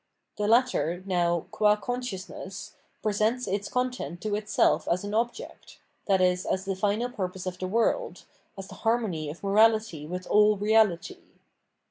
The latter, now, qua consciousness, presents its content to itself as an object, viz. as the final purpose of the world, as the harmony of morality with all reahty.